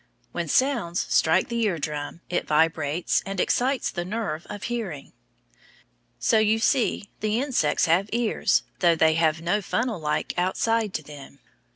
When sounds strike the eardrum it vibrates and excites the nerve of hearing. So you see the insects have ears, though they have no funnel like outsides to them.